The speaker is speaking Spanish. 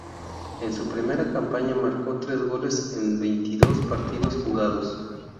En su primera campaña marcó tres goles en veintidós partidos jugados.